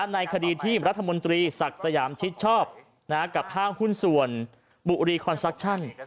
ในคดีที่รัฐมนตรีศักดิ์สยามชิดชอบกับห้างหุ้นส่วนบุรีคอนซักชั่น